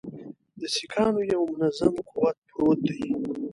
د سیکهانو یو منظم قوت پروت دی.